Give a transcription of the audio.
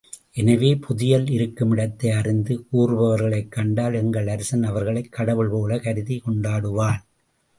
எனவே, புதையல் இருக்குமிடத்தை அறிந்து கூறுபவர்களைக் கண்டால் எங்கள் அரசன் அவர்களைக் கடவுள் போலக் கருதிக் கொண்டாடுவான்.